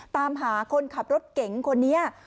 ตามหาคนขับรถเก๋งคนนี้